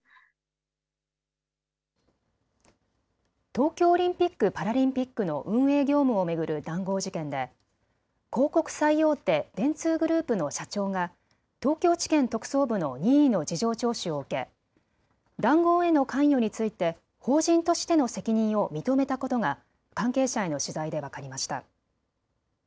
東京オリンピック・パラリンピックの運営業務を巡る談合事件で広告最大手、電通グループの社長が東京地検特捜部の任意の事情聴取を受け談合への関与について法人としての責任を認めたことが関係者への取材で分かりました。